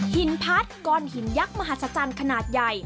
หินพัดก้อนหินยักษ์มหัศจรรย์ขนาดใหญ่